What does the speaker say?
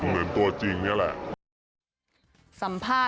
เหมือนตัวจริงนี่แหละ